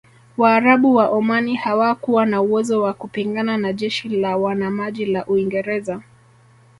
Waarabu wa Omani hawakuwa na uwezo wa kupingana na jeshi la wanamaji la Uingereza